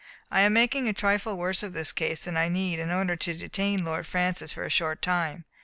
''I am making a trifle worse of his case than I need in order to detain Lord Francis for a short time.